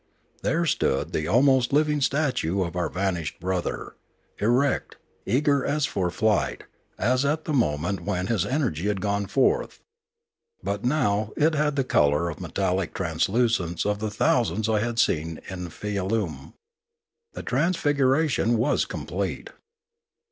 There stood the almost living statue of our vanished brother, erect, eager as for flight, as at the moment when his energy had goue forth. But now it had the clear metallic translucence of the thou sands I had seen in Pialume. The transfiguration was complete.